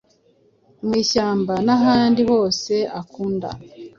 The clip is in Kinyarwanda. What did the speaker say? mu ishyamba n’ahandi hose akunda